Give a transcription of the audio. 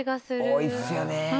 多いっすよね。